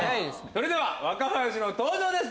それでは若林の登場です